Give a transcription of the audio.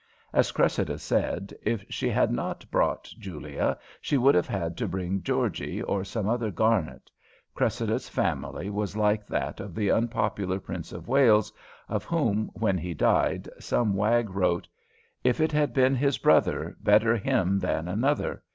As Cressida said, if she had not brought Julia, she would have had to bring Georgie, or some other Garnet. Cressida's family was like that of the unpopular Prince of Wales, of whom, when he died, some wag wrote: _If it had been his brother, Better him than another.